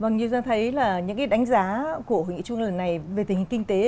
như tôi thấy những đánh giá của hội nghị trung ương này về tình hình kinh tế